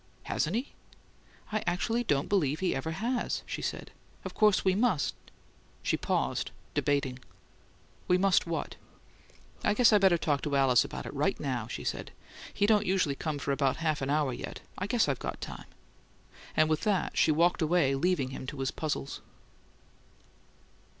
"Hasn't he?" "I actually don't believe he ever has," she said. "Of course we must " She paused, debating. "We must what?" "I guess I better talk to Alice about it right now," she said. "He don't usually come for about half an hour yet; I guess I've got time." And with that she walked away, leaving him to his puzzles.